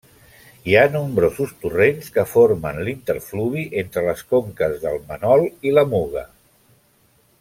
Hi ha nombrosos torrents, que formen l'interfluvi entre les conques del Manol i la Muga.